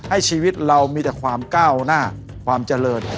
ให้ชีวิตเรามีแต่ความก้าวหน้าความเจริญ